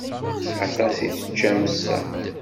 Aṭas i teččam ass-a.